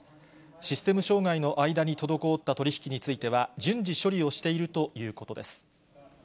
システム障害の間に滞った取り引きについては、順次、処理をしているということです。